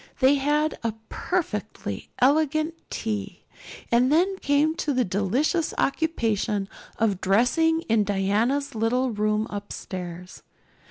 They had a "perfectly elegant tea;" and then came the delicious occupation of dressing in Diana's little room upstairs.